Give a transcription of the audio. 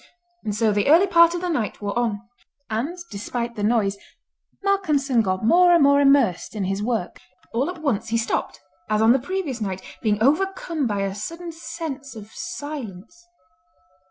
And so the early part of the night wore on; and despite the noise Malcolmson got more and more immersed in his work. All at once he stopped, as on the previous night, being overcome by a sudden sense of silence.